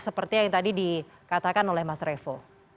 seperti yang tadi dikatakan oleh mas revo